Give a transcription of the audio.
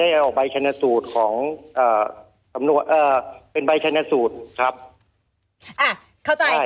ออกใบชนสูตรของอ่าสำนวนเอ่อเป็นใบชนสูตรครับอ่าเข้าใจอ่า